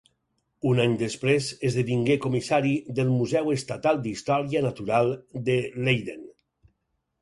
Un any després, esdevingué comissari del Museu Estatal d'Història Natural de Leiden.